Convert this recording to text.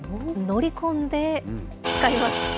乗り込んで使います。